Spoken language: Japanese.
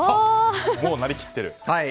もうなりきってる。